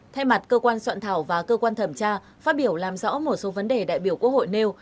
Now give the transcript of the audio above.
thay mặt cơ quan soạn thảo và cơ quan thẩm tra phát biểu làm rõ một số vấn đề đại biểu quốc hội nêu